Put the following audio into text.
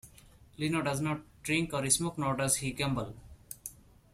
Leno does not drink or smoke, nor does he gamble.